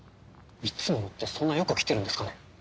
「いつもの」ってそんなよく来てるんですかね？